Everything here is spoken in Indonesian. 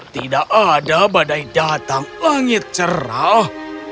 tidak ada badai datang langit cerah